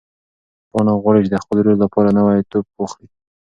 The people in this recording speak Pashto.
پاڼه غواړي چې د خپل ورور لپاره نوی توپ واخلي.